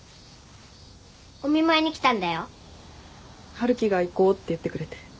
春樹が行こうって言ってくれて。